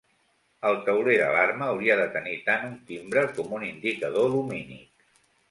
El tauler d'alarma hauria de tenir tant un timbre com un indicador lumínic.